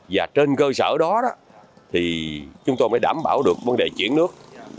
và trên cơ sở đó thì chúng tôi mới đảm bảo được vấn đề chuyển nước